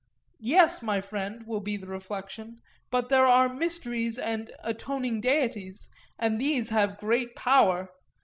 Yes, my friend, will be the reflection, but there are mysteries and atoning deities, and these have great power.